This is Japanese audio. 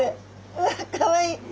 うわっかわいい。